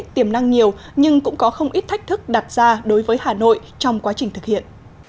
tiềm năng nhiều nhưng cũng có không ít thách thức đặt ra đối với hà nội trong quá trình thực hiện